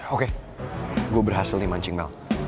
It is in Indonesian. oke gue berhasil nih mancing melk